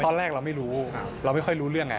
ตอนแรกเราไม่รู้เราไม่ค่อยรู้เรื่องไง